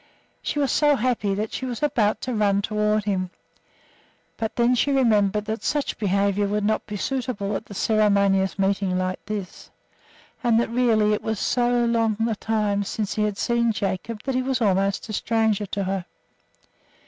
She was so happy that she was about to run toward him; but then she remembered that such behavior would not be suitable at a ceremonious meeting like this, and that really it was so long a time since she had seen Jacob that he was almost a stranger to her.